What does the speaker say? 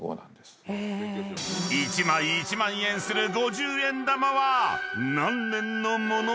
［１枚１万円する五十円玉は何年の物なのか？